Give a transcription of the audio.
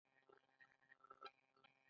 جانداد د زړه پاکي ساتي.